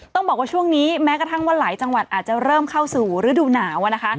ต้องบอกว่าช่วงนี้แม้กระทั่งว่าหลายจังหวัดอาจจะเริ่มเข้าสู่ฤดูหนาวนะคะ